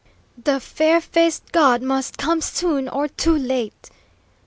"The fair faced God must come soon, or too late!"